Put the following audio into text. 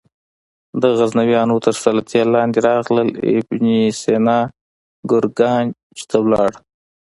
د غزنویانو تر سلطې لاندې راغلل ابن سینا ګرګانج ته ولاړ.